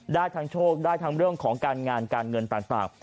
ได้ทั้งโชคได้ทั้งเรื่องของการงานการเงินต่าง